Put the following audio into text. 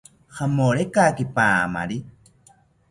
Jamorekaki paamari